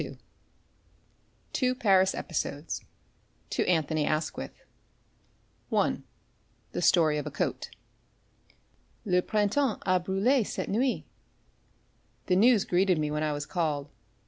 II TWO PARIS EPISODES [To ANTHONY ASQUITH] I: THE STORY OF A COAT "Le Printemps a brûlé cette nuit." The news greeted me when I was called.